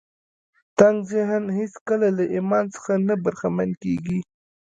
تنګ ذهن هېڅکله له ايمان څخه نه برخمن کېږي.